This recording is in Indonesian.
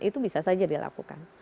itu bisa saja dilakukan